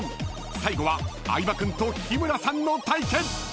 ［最後は相葉君と日村さんの対決］